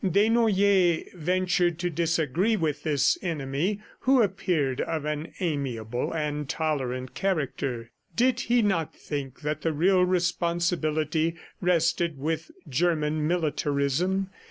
Desnoyers ventured to disagree with this enemy who appeared of an amiable and tolerant character. "Did he not think that the real responsibility rested with German militarism?